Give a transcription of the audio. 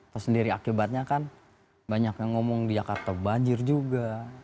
terus sendiri akibatnya kan banyak yang ngomong di jakarta banjir juga